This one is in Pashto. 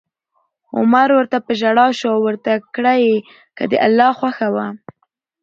عمر ورته په ژړا شو او ورته کړه یې: که د الله خوښه وه